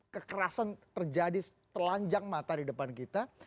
kekerasan terjadi telanjang mata di depan kita